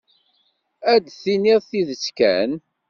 Ad d-tiniḍ tidet kan.